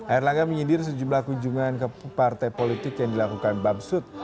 air langga menyindir sejumlah kunjungan ke partai politik yang dilakukan bamsud